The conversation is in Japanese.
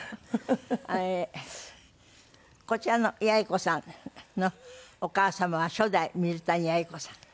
こちらの八重子さんのお母様は初代水谷八重子さん。